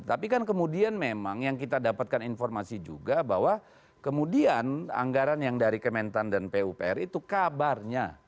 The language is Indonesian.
tapi kan kemudian memang yang kita dapatkan informasi juga bahwa kemudian anggaran yang dari kementan dan pupr itu kabarnya